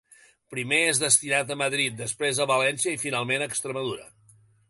Primer és destinat a Madrid, després a València i finalment a Extremadura.